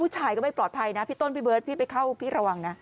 ชายก็ไม่ปลอดภัยนะพี่ต้นพี่เบิร์ดพี่ไปเข้าพี่ระวังนะ